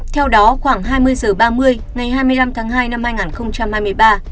theo đó khoảng hai mươi h ba mươi ngày hai mươi năm tháng hai năm hai nghìn hai mươi ba